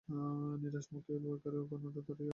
নিরাশ মুখে রোয়াকের কোণটা ধরিয়া নিরুৎসাহভাবে বলিল, চল না।